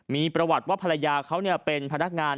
มีประวัติว่าภรรยาเขาเป็นพนักงาน